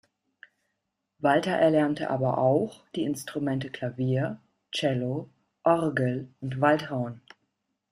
Walter erlernte aber auch die Instrumente Klavier, Cello, Orgel und Waldhorn.